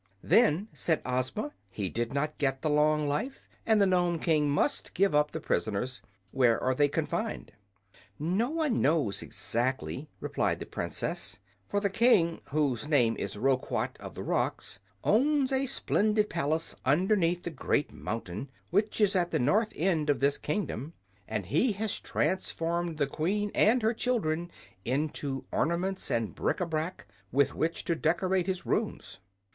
"Then," said Ozma, "he did not get the long life, and the Nome King must give up the prisoners. Where are they confined?" "No one knows, exactly," replied the Princess. "For the king, whose name is Roquat of the Rocks, owns a splendid palace underneath the great mountain which is at the north end of this kingdom, and he has transformed the queen and her children into ornaments and bric a brac with which to decorate his rooms."